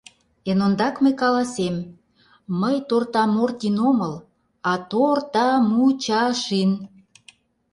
— Эн ондак мый каласем: мый Тортамортин омыл, а Тор-та-му-чаш-ин!